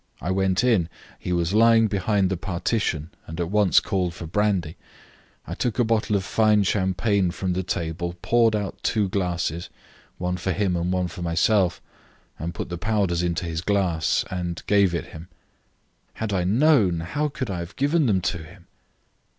I went in. He was lying behind the partition, and at once called for brandy. I took a bottle of 'fine champagne' from the table, poured out two glasses, one for him and one for myself, and put the powders into his glass, and gave it him. Had I known how could I have given them to him?"